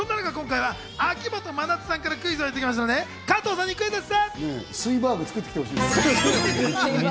今回は秋元真夏さんがクイズをいただきましたので、加藤さんにクイズッス！